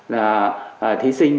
là thí sinh